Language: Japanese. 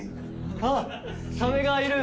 あっサメがいる！